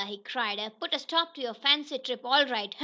he cried. "I've put a stop to your fancy trip all right!